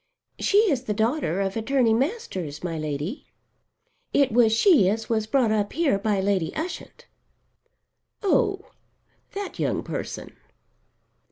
"She is the daughter of Attorney Masters, my Lady. It was she as was brought up here by Lady Ushant." "Oh, that young person."